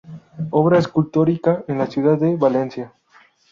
Obra escultórica en la ciudad de Valencia